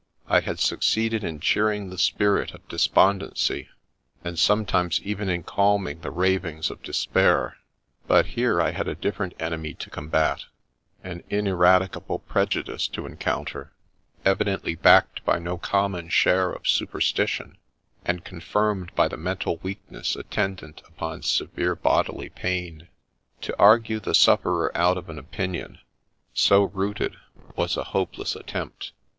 I had succeeded in cheering the spirit of despondency, and sometimes even in calming the ravings of despair ; but here I had a different enemy to combat, an in eradicable prejudice to encounter, evidently backed by no common share of superstition, and confirmed by the mental weakness attendant upon severe bodily pain. To argue the sufferer out of an opinion so rooted was a hopeless attempt.